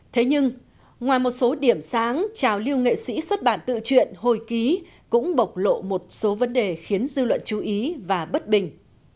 thế nhưng ngoài một số điểm sáng trào lưu nghệ sĩ xuất bản tự truyện hồi ký cũng bộc lộ một số vấn đề khiến dư luận chú ý và bất bình